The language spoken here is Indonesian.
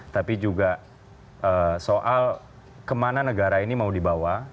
tapi juga soal kemana negara ini mau dibawa